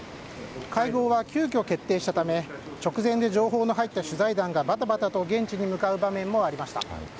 会合は急きょ決定したため直前で情報の入った取材団がばたばたと現地に向かう場面も見られました。